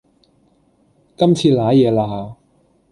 今次賴嘢啦